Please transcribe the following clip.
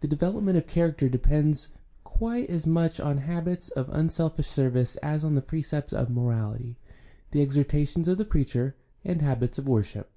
The development of character depends quite as much on habits of unselfish service as on the precepts of morality, the exhortations of the preacher, and habits of worship.